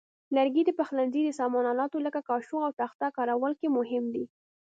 لرګي د پخلنځي د سامان آلاتو لکه کاشوغو او تخته کارولو کې مهم دي.